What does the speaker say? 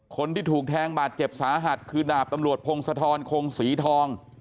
คนที่ถูกแทงบาดเจ็บสาหัสคือดาบตำรวจพงศธรคงศรีทอง